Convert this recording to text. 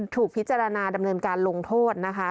ถูกพิจารณาดำเนินการลงโทษนะคะ